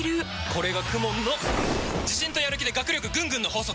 これがＫＵＭＯＮの自信とやる気で学力ぐんぐんの法則！